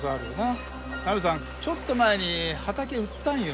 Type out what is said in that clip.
ちょっと前に畑売ったんよ。